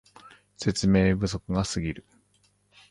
説明不足がすぎる